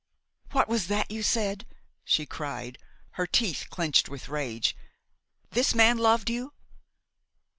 "What was that you said?" she cried, her teeth clenched with rage; "this man loved you?"